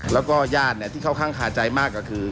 แล้วก็ญาติที่เข้าข้างคาใจมากก็คือ